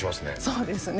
そうですね。